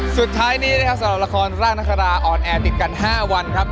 สุดท้ายนี้นะครับสำหรับละครร่างนาคาราออนแอร์ติดกัน๕วันครับ